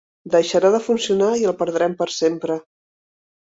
Deixarà de funcionar i el perdrem per sempre.